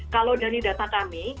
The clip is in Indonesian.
kalau dari data kami